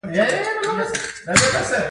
افغانستان د وادي د پلوه ځانته ځانګړتیا لري.